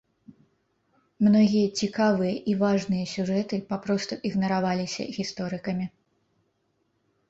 Многія цікавыя і важныя сюжэты папросту ігнараваліся гісторыкамі.